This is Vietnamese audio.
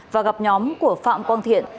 và gặp nhóm của phạm quang thiện